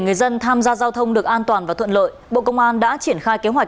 người dân tham gia giao thông được an toàn và thuận lợi bộ công an đã triển khai kế hoạch